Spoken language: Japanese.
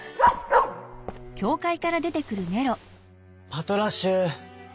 「パトラッシュ」。